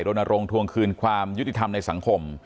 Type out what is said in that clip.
รณรงควงคืนความยุติธรรมในสังคม